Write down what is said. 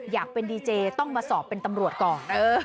อยากเป็นดีเจต้องมาสอบเป็นตำรวจก่อน